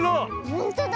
ほんとだ。